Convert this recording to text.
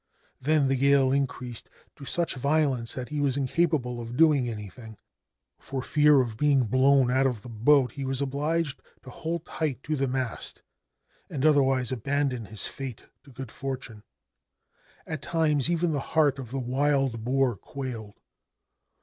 Then the gale increased to such violence that he was incapable of doing anything. For fear of being blown out of the boat, he was obliged to hold tight to the mast and other wise abandon his fate to good fortune. At times even the heart of the Wild Boar quailed.